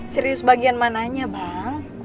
serius bagian mananya bang